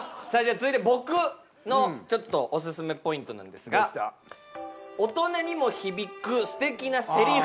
続いて僕のちょっとおすすめポイントなんですが「大人にも響く素敵な台詞」。